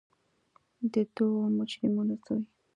د دوو مجرمینو زوی.